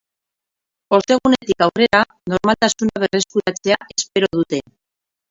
Ostegunetik aurrera, normaltasuna berreskuratzea espero dute.